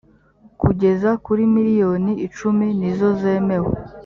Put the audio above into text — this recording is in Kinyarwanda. kugeza kuri miliyoni icumi nizo zemewe